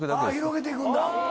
広げていくんだ。